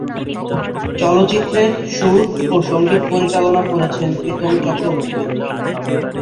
চলচ্চিত্রের সুর ও সঙ্গীত পরিচালনা করেছেন প্রীতম চক্রবর্তী।